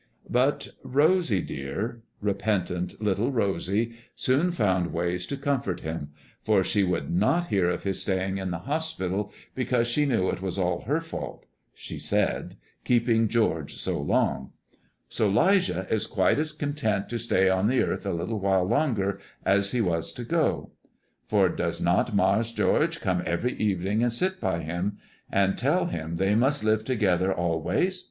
But Rosy, dear, repentant little Rosy, soon found ways to comfort him; for she would not hear of his staying in the hospital, because she knew it was all her fault, she said, keeping George so long. So 'Lijah is quite as content to stay on the earth a little while longer as he was to go. For does not Mars' George come every evening and sit by him, and tell him they must live together always?